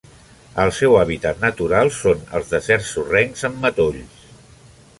El seu hàbitat natural són els deserts sorrencs amb matolls.